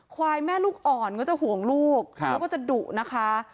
ควายแม่ลูกอ่อนก็จะห่วงลูกแล้วก็จะดุนะคะ